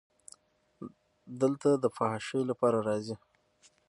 دلته د فحاشۍ لپاره راځي.